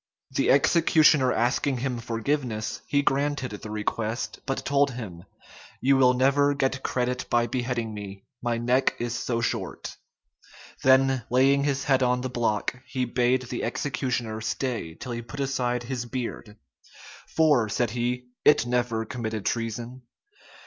The executioner asking him forgiveness, he granted the request, but told him, "You will never get credit by beheading me, my neck is so short." Then laying his head on the block, he bade the executioner stay till he put aside his beard: "For," said he, "it never committed treason."